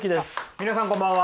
皆さんこんばんは。